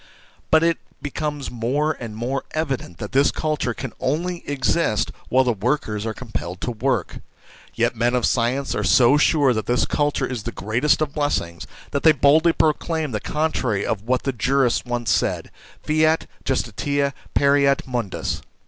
But it becomes more and more evident that this culture can only exist while the workers are compelled to work. Yet men of science are so sure that this culture is the greatest of blessings, that they boldly proclaim the contrary of what the jurists once said : fiat justitia, pereat mundus.